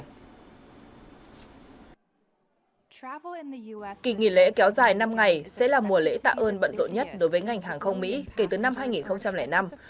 kỳ nghỉ lễ kéo dài năm ngày sẽ là mùa lễ tạ ơn bận rộn nhất đối với ngành hàng không mỹ kể từ năm hai nghìn năm